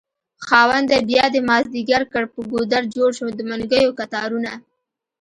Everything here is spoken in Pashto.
خاونده بيادی مازد يګر کړ په ګودر جوړشو دمنګيو کتارونه